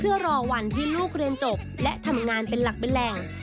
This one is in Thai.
เพื่อรอวันที่ลูกเรียนจบและทำงานเป็นหลักเป็นแหล่ง